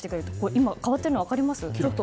今、変わっているの分かりますか。